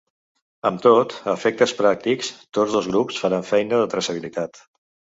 Amb tot, a efectes pràctics tots dos grups faran feina de traçabilitat.